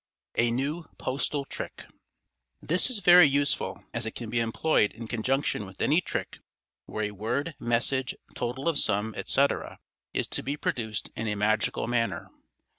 A New Postal Trick.—This is very useful, as it can be employed in conjunction with any trick where a word, message, total of sum, etc., is to be produced in a magical manner.